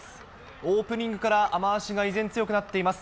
オープニングから雨足が依然、強くなっています。